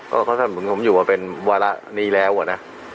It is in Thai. ก็เขาทำเหมือนผมอยู่มาเป็นวาระนี้แล้วอะนะ